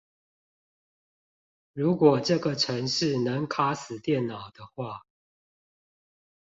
如果這個程式能卡死電腦的話